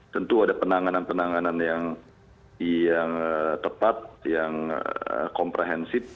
tentu ada penanganan penanganan yang tepat yang komprehensif